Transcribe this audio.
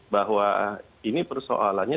bahwa ini persoalannya